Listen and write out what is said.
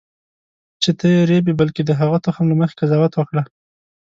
چې ته یې رېبې بلکې د هغه تخم له مخې قضاوت وکړه.